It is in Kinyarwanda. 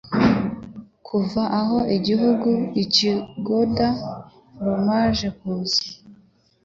Kuva aho igihugu iki Gouda foromaje kuza